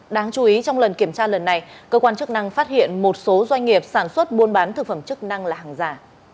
đáng chú ý trong lần kiểm tra lần này cơ quan chức năng phát hiện một số doanh nghiệp sản xuất buôn bán thực phẩm chức năng là hàng giả